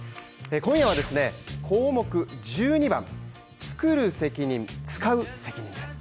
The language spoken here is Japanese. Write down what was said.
今夜は項目１２番「つくる責任つかう責任」です。